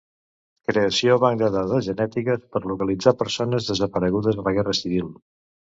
Creació banc de dades genètiques per localitzar persones desaparegudes a la guerra civil.